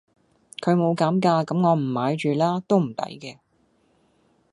佢冇減價咁我唔買住啦都唔抵嘅